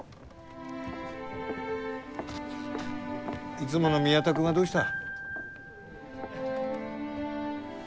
いつもの宮田君はどうした？